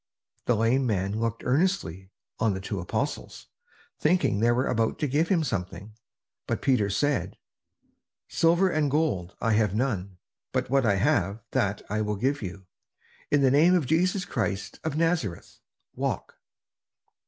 The lame man looked earnestly on the two apostles, thinking they were about to give him something. But Peter said: "Silver and gold have I none; but what I have that I will give you. In the name of Jesus Christ of Nazareth, walk!"